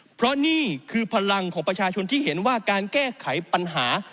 เพราะนี่คือพลังของประชาชนที่เห็นว่าการแก้ไขปัญหา